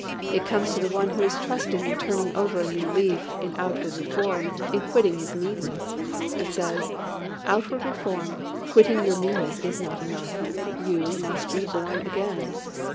It comes to the one who is trusting in turning over a new leaf, in outward reform, in quitting his meanness; it says, "Outward reform, quitting your meanness is not enough. You must be born again."